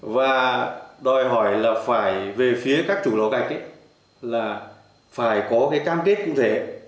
và đòi hỏi là phải về phía các chủ lò gạch là phải có cái cam kết cũng thế